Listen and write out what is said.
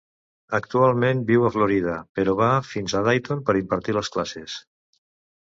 Actualment viu a Flòrida, però va fins a Dayton per impartir les classes.